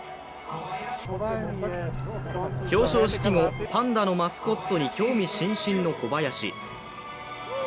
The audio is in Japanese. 表彰式後、パンダのマスコットに興味津々の小林。